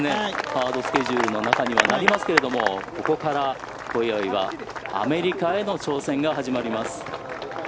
ハードスケジュールの中にはなりますがここから小祝はアメリカへの挑戦が始まります。